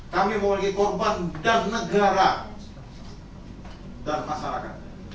kami memiliki korban dan negara dan masyarakat